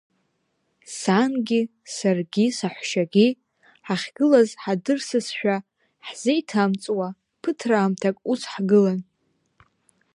Сангьы, саргьы, саҳәшьагьы, ҳахьгылаз ҳадырсызшәа, ҳзеиҭамҵуа, ԥыҭраамҭак ус ҳгылан…